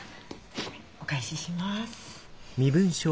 お返しします。